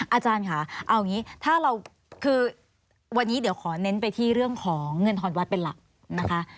อาจารย์ค่ะวันนี้เดี๋ยวขอเน้นไปที่เรื่องของเงินธรรมวัฒน์เป็นหลัก